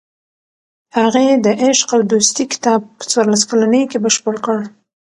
هغې د "عشق او دوستي" کتاب په څوارلس کلنۍ کې بشپړ کړ.